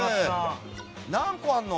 何個あるの？